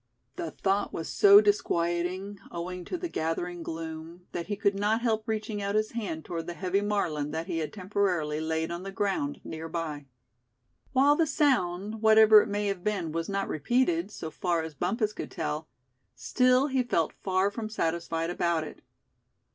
The thought was so disquieting, owing to the gathering gloom, that he could not help reaching out his hand toward the heavy Marlin that he had temporarily laid on the ground near by. While the sound, whatever it may have been, was not repeated, so far as Bumpus could tell, still he felt far from satisfied about it.